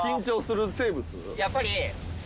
やっぱり。